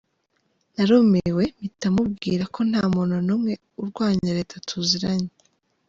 Narumiwe mpita mubwira ko nta muntu n’umwe urwanya leta tuziranye.